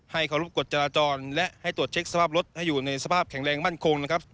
เคารพกฎจราจรและให้ตรวจเช็คสภาพรถให้อยู่ในสภาพแข็งแรงมั่นคงนะครับ